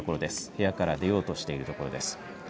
部屋から出ようとしているところです。